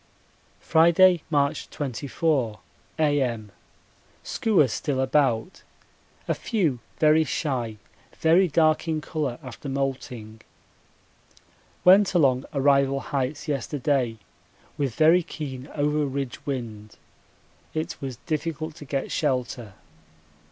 Friday, March 24, A.M. Skuas still about, a few very shy very dark in colour after moulting. Went along Arrival Heights yesterday with very keen over ridge wind it was difficult to get shelter.